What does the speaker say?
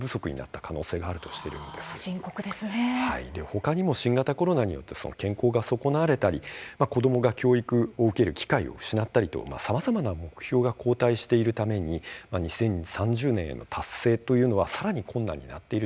ほかにも新型コロナによって健康が損なわれたり子どもが教育を受ける機会を失ったりと、さまざまな目標が後退しているために２０３０年への達成というのはさらに困難になっている状況です。